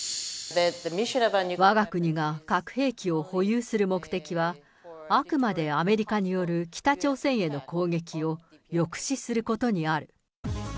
わが国が核兵器を保有する目的は、あくまでアメリカによる北朝鮮への攻撃を抑止することにある。